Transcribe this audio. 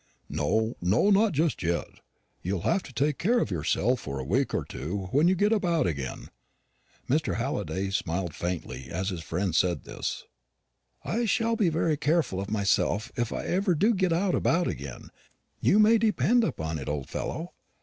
"No, no, not just yet. You'll have to take care of yourself for a week or two when you get about again." Mr. Halliday smiled faintly as his friend said this. "I shall be very careful of myself if I ever do get about again, you may depend upon it, old fellow.